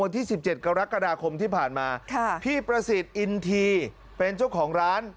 วันที่สิบเจ็ดกรกฎาคมที่ผ่านมาค่ะพี่ประสิทธิ์อินทีเป็นเจ้าของร้าน